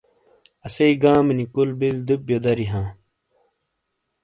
اسئیی گامینی کُل بِل دُبیو دَری ہاں۔